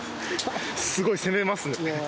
すごい攻めますね。